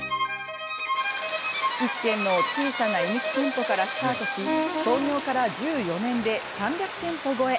１軒の小さな居抜き店舗からスタートし創業から１４年で３００店舗超え。